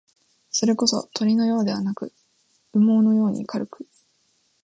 それこそ、鳥のようではなく、羽毛のように軽く、